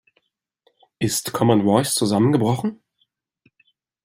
Ist Common Voice zusammengebrochen?